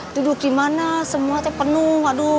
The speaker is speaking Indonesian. duduk di mana semua penuh aduh